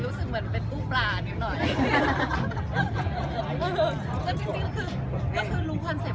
รู้สึกไม่รู้ว่าวันนั้นผมอาจจะมีแต่ว่าไม่รู้ว่าเขาจะไปด้วย